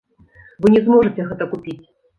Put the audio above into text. Вы не зможаце гэта купіць.